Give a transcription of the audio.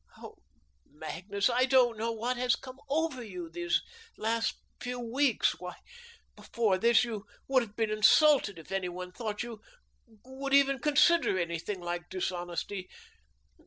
Oh, Magnus, I don't know what has come over you these last few weeks. Why, before this, you would have been insulted if any one thought you would even consider anything like dishonesty.